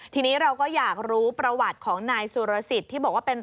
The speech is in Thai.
ทีนี้เราก็อยากรู้ประวัติของนายสุรสิทธิ์